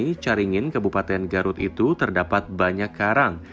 di caringin kebupaten garut itu terdapat banyak karang